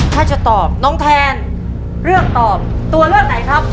ถ้าจะตอบน้องแทนเลือกตอบตัวเลือกไหนครับ